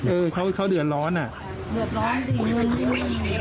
เออเขาเขาเดือดร้อนอ่ะเดือดร้อนดีวันนี้